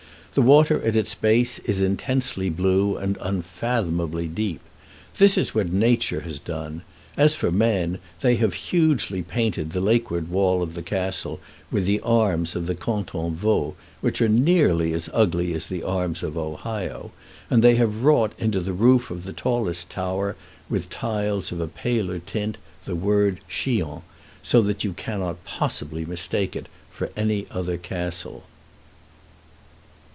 The water at its base is intensely blue and unfathomably deep. This is what nature has done; as for men, they have hugely painted the lakeward wall of the castle with the arms of the Canton Vaud, which are nearly as ugly as the arms of Ohio; and they have wrought into the roof of the tallest tower with tiles of a paler tint the word "Chillon," so that you cannot possibly mistake it for any other castle.